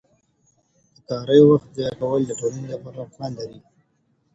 د کاري وخت ضایع کول د ټولنې لپاره نقصان لري.